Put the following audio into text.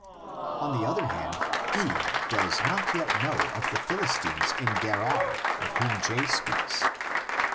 On the other hand, E does not yet know of the Philistines in Gerar of whom J speaks (xxi.